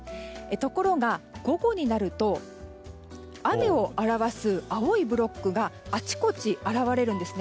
ところが午後になると雨を表す青いブロックがあちこち現れるんですね。